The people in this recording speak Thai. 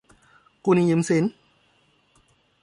กู้หนี้ยืมสิน